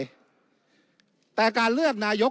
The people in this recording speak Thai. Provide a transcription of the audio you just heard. ผมเคารพในมุมมองที่แตกต่างของทุกท่านที่พูดไป